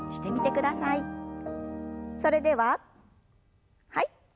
それでははい。